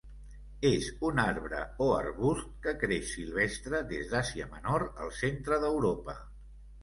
És un arbre o arbust que creix silvestre des d'Àsia menor al centre d'Europa.